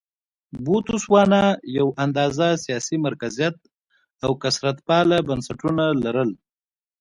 بوتسوانا یو اندازه سیاسي مرکزیت او کثرت پاله بنسټونه لرل.